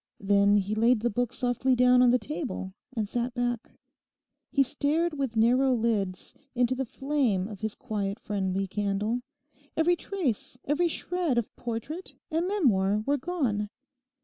Then he laid the book softly down on the table and sat back. He stared with narrowed lids into the flame of his quiet friendly candle. Every trace, every shred of portrait and memoir were gone.